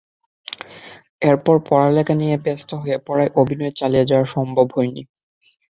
এরপর পড়ালেখা নিয়ে ব্যস্ত হয়ে পড়ায় অভিনয় চালিয়ে যাওয়া সম্ভব হয়নি।